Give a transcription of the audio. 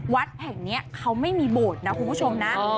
วัดแห่งนี้เขาไม่มีโบสถ์นะคุณผู้ชมนะ